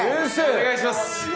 お願いします。